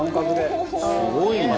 すごいな。